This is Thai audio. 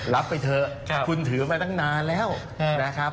รับไปเถอะคุณถือมาตั้งนานแล้วนะครับ